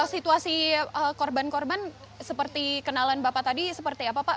situasi korban korban seperti kenalan bapak tadi seperti apa pak